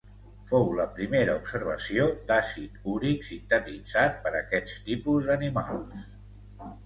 Fou la primera observació d'àcid úric sintetitzat per aquest tipus d'animals.